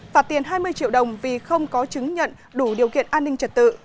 phạt tiền hai mươi triệu đồng vì không có chứng nhận đủ điều kiện an ninh trật tự